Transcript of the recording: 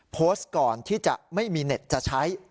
โพสต์ก่อนที่จะไม่มีเน็ตจะใช้